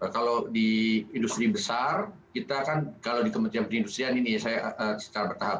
kalau di industri besar kita kan kalau di kementerian perindustrian ini saya secara bertahap